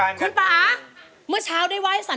ร้องได้ให้ร้าน